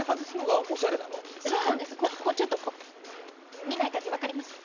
ちょっと、こう見ない感じ、分かります？